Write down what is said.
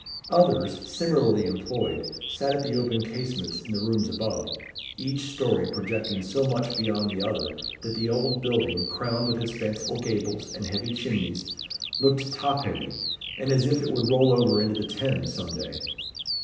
Others, similarly employed, sat at the open casements in the rooms above; each story projecting so much beyond the other that the old building, crowned with its fanciful gables and heavy chimnies, looked top heavy, and as if it would roll over into the Thames some day.